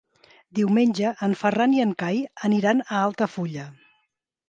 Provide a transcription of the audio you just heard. Diumenge en Ferran i en Cai aniran a Altafulla.